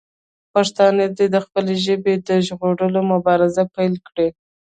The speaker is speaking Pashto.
پښتانه دې د خپلې ژبې د ژغورلو مبارزه پیل کړي.